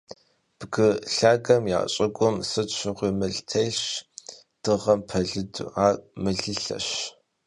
Bgı lhagexem ya şıgum sıt şığui mıl têlhş dığem pelıdu — ar mılılheş.